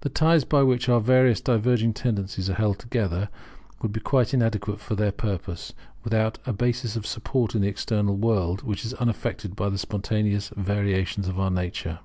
The ties by which our various diverging tendencies are held together would be quite inadequate for their purpose, without a basis of support in the external world, which is unaffected by the spontaneous variations of our nature.